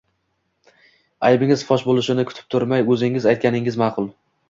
aybingiz fosh bo‘lishini kutib o‘tirmay, o‘zingiz aytganingiz ma’qul.